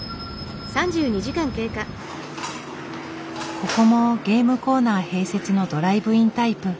ここもゲームコーナー併設のドライブインタイプ。